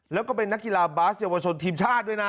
แล้วก็เป็นนักกีฬาบาสเยาวชนทีมชาติด้วยนะ